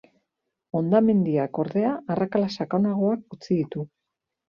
Hondamendiak, ordea, arrakala sakonagoak utzi ditu.